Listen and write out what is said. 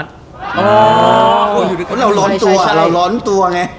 เราร้อนตัวเราร้อนตัวไง